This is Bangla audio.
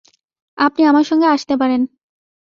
আপনি আমার সঙ্গে আসতে পারেন।